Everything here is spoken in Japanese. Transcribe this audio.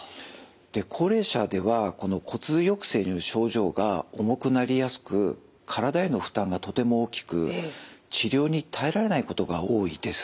で高齢者ではこの骨髄抑制による症状が重くなりやすく体への負担がとても大きく治療に耐えられないことが多いです。